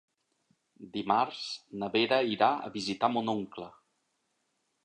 Dimarts na Vera irà a visitar mon oncle.